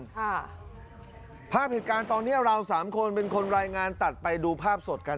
ภาพเหตุการณ์ตอนเนี้ยเราสามคนเป็นคนรายงานตัดไปดูภาพสดกัน